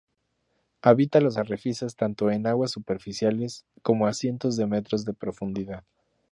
Habita los arrecifes tanto en aguas superficiales, como a cientos de metros de profundidad.